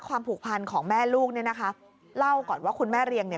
ผูกพันของแม่ลูกเนี่ยนะคะเล่าก่อนว่าคุณแม่เรียงเนี่ย